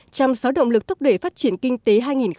trong sáu động lực thúc đẩy phát triển kinh tế hai nghìn một mươi chín